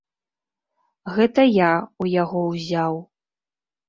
Гэта я ў яго ўзяў.